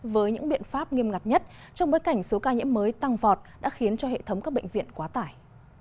với những biện pháp nghiêm ngặt nhất trong bối cảnh số ca nhiễm mới tăng vọt đã khiến cho hệ thống các bệnh viện quá tải